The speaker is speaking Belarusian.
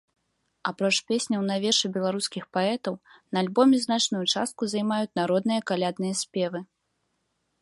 Апроч песняў на вершы беларускіх паэтаў на альбоме значную частку займаюць народныя калядныя спевы.